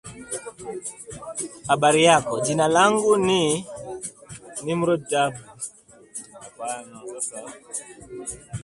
Computer simulations using the Chowdhury Ecosystem Model did not find support for the rule.